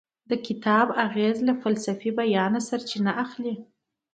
د کتاب اغیز له فلسفي بیانه سرچینه اخلي.